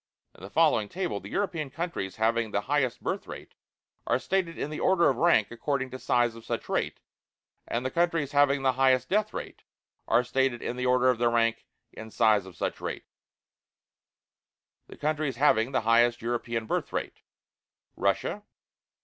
In the following table the European countries having the highest birth rate are stated in the order of rank according to size of such rate; and the countries having the heaviest death rate are stated in the order of their rank in size of such rate: Highest European Birth Rate. Highest European Death Rate. Russia.